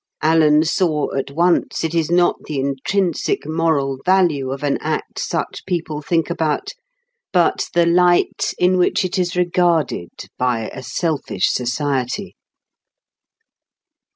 Alan saw at once it is not the intrinsic moral value of an act such people think about, but the light in which it is regarded by a selfish society.